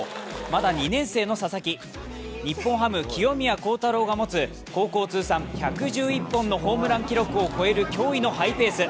まだ２年生の佐々木、日本ハム・清宮幸太郎が持つ高校通算１１１本のホームラン記録を超える驚異のハイペース。